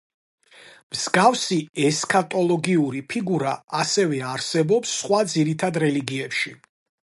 მსგავსი ესქატოლოგიური ფიგურა ასევე არსებობს სხვა ძირითად რელიგიებში.